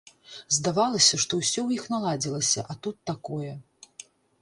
Здавалася, што ўсё ў іх наладзілася, а тут такое.